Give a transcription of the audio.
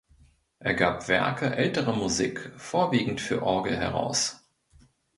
Er gab Werke älterer Musik (vorwiegend für Orgel) heraus.